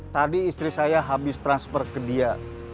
tadi istri saya habis transfer ke dia